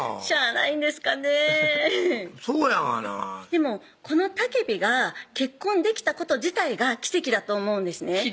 しゃあないんですかねぇそうやがなでもこのたけぴが結婚できたこと自体が奇跡だと思うんですね